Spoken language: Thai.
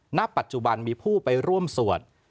ณปัจจุบันมีผู้ไปร่วมสวด